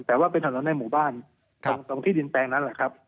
แต่ว่าเป็นถนนในหมู่บ้านตรงที่ดินแปลงนั้นแหละครับ